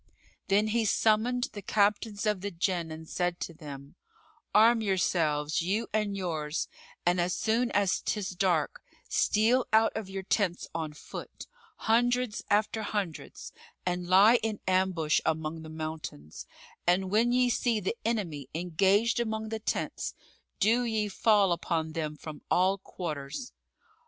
Then he summoned the Captains of the Jann and said to them, "Arm yourselves, you and yours; and, as soon as 'tis dark, steal out of your tents on foot, hundreds after hundreds, and lie in ambush among the mountains; and when ye see the enemy engaged among the tents, do ye fall upon them from all quarters.